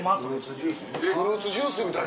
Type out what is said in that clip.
フルーツジュースみたい。